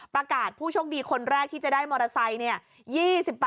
ประกาศผู้โชคดีคนแรกที่จะได้มอเตอร์ไซส์